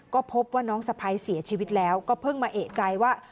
ก็พบว่าน้องสะพ้ายเสียชีวิตแล้วก็เพิ่งมาเอกใจว่า